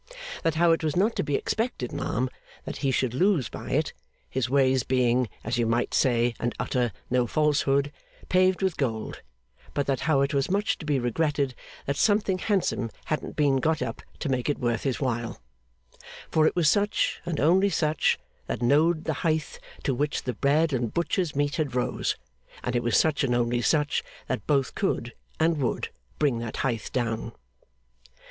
That how it was not to be expected, ma'am, that he should lose by it, his ways being, as you might say and utter no falsehood, paved with gold; but that how it was much to be regretted that something handsome hadn't been got up to make it worth his while; for it was such and only such that knowed the heighth to which the bread and butchers' meat had rose, and it was such and only such that both could and would bring that heighth down.